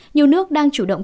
nhiều nước đang chủ động